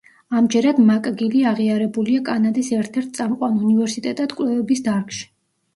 ამჯერად მაკგილი აღიარებულია კანადის ერთ–ერთ წამყვან უნივერსიტეტად კვლევების დარგში.